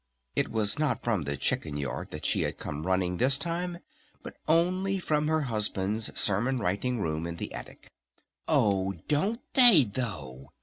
It was not from the chicken yard that she had come running this time but only from her Husband's Sermon Writing Room in the attic. "Oh don't they though?"